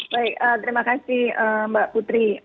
baik terima kasih mbak putri